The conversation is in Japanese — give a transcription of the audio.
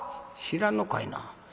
「知らんのかいな。